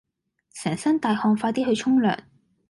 成身大汗快啲去沖涼